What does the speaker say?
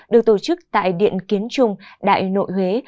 được tổ chức tại điện kiến trung đại nội huế